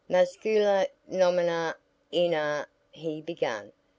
"Mascula nomina in a," he began.